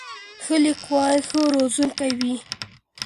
ښه لیکوال ښه روزونکی وي.